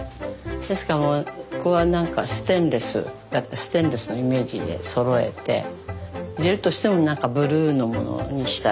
ですからここはステンレスだったらステンレスのイメージでそろえて入れるとしてもブルーのものにしたりとか。